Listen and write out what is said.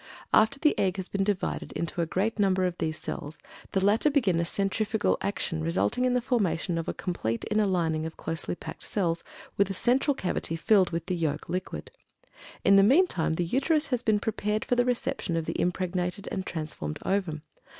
After the egg has been divided into a great number of these cells, the latter begin a centrifugal action resulting in the formation of a complete inner lining of closely packed cells, with a central cavity filled with the yolk liquid. In the meantime, the Uterus has been prepared for the reception of the impregnated and transformed ovum.